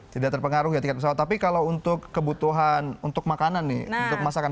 tidak terpengaruh ya tiket pesawat tapi kalau untuk kebutuhan untuk makanan nih untuk masakan